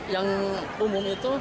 yang umum itu